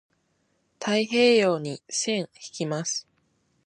太平洋に線引きます。